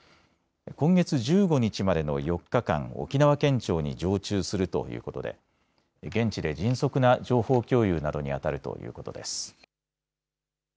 今月１５日までの４日間、沖縄県庁に常駐するということで現地で迅速な情報共有などにあたるということです。